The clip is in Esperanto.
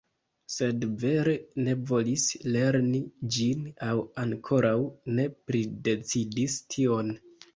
Sed vere ne volis lerni ĝin aŭ ankoraŭ ne pridecidis tion